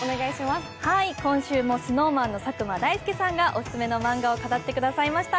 今週もＳｎｏｗＭａｎの佐久間大介さんがオススメのマンガを語ってくださいました。